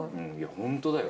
本当だよ。